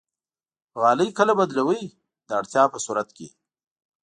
غالۍ کله بدلوئ؟ د اړتیا په صورت کې